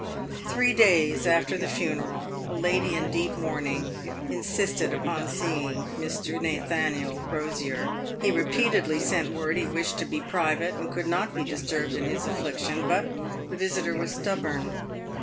Three days after the funeral, a lady in deep mourning insisted upon seeing Mr. Nathaniel Crosier. He repeatedly sent word he wished to be private, and could not be disturbed in his affliction : but the visitor was stubborn.